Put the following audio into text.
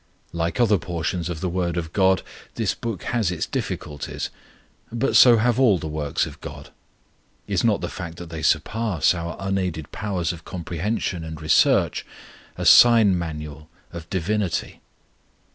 Like other portions of the Word of GOD, this book has its difficulties. But so have all the works of GOD. Is not the fact that they surpass our unaided powers of comprehension and research a "sign manual" of divinity?